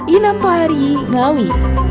inam tuhari ngawi